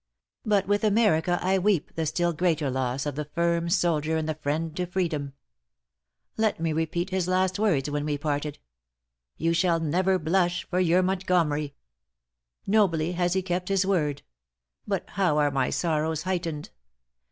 But with America I weep the still greater loss of the firm soldier and the friend to freedom. Let me repeat his last words when we parted: 'You shall never blush for your Montgomery.' "Nobly has he kept his word; but how are my sorrows heightened!